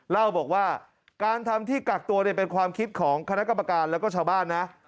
เล่าบอกว่าการทำที่กักตัวเป็นความคิดของคณะกรรมการแล้วก็ชาวบ้านนะ